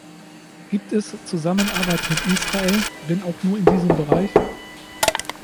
Gibt es Zusammenarbeit mit Israel, wenn auch nur in diesem Bereich?